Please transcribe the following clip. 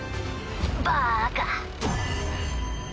バカ。